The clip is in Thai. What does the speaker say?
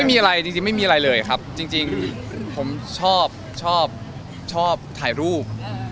ไม่มีอะไรจริงไม่มีอะไรเลยครับจริงผมชอบชอบถ่ายรูป